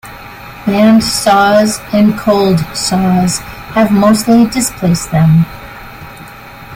Bandsaws and cold saws have mostly displaced them.